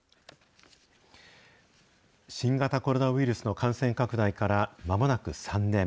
新型コロナウイルスの感染拡大からまもなく３年。